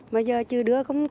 mà giờ chứ đưa không có